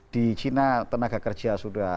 di cina tenaga kerja sudah